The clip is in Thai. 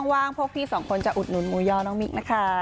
ว่างพวกพี่สองคนจะอุดหนุนหมูย่อน้องมิ๊กนะคะ